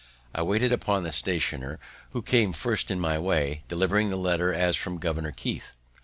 I waited upon the stationer, who came first in my way, delivering the letter as from Governor Keith.